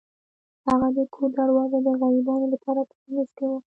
هغه د کور دروازه د غریبانو لپاره پرانیستې وه.